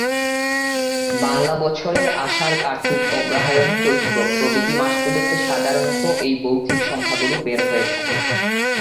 বাংলা বছরের আষাঢ়, কার্তিক, অগ্রহায়ণ, চৈত্র প্রভৃতি মাসগুলিতে সাধারণত এই ভৌতিক সংখ্যাগুলি বের হয়ে থাকে।